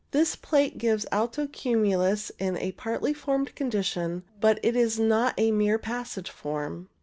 This plate gives alto cumulus in a partly formed condition, but it is not a mere passage form.